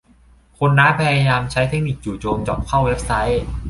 คนร้ายพยายามใช้เทคนิคจู่โจมเจาะเข้าเว็บไซต์